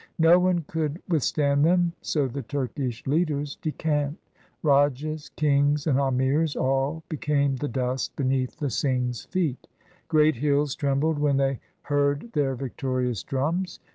No one could withstand them, so the Turkish leaders decamped : Rajas, kings, and amirs all became the dust beneath the Singhs' feet. Great hills trembled when they heard their victorious drums.